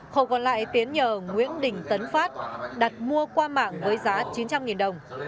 khẩu còn lại tiến nhờ nguyễn đình tấn phát đặt mua qua mạng với giá chín trăm linh đồng